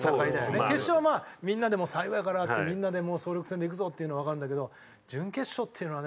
決勝はみんなでもう最後やからってみんなで総力戦でいくぞっていうのはわかるんだけど準決勝っていうのはね